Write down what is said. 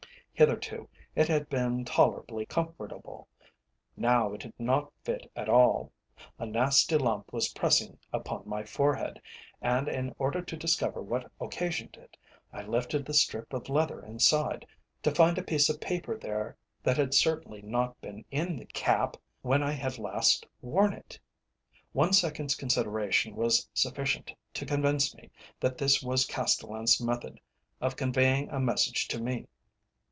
Hitherto it had been tolerably comfortable, now it did not fit at all. A nasty lump was pressing upon my forehead, and in order to discover what occasioned it, I lifted the strip of leather inside, to find a piece of paper there that had certainly not been in the cap when I had last worn it. One second's consideration was sufficient to convince me that this was Castellan's method of conveying a message to me.